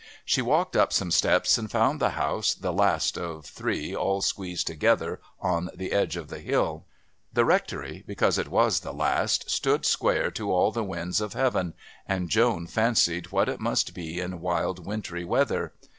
She walked up some steps and found the house the last of three all squeezed together on the edge of the hill. The Rectory, because it was the last, stood square to all the winds of heaven, and Joan fancied what it must be in wild wintry weather.